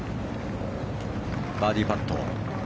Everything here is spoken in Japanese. バーディーパット。